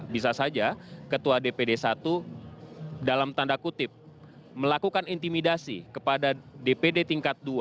bisa saja ketua dpd satu dalam tanda kutip melakukan intimidasi kepada dpd tingkat dua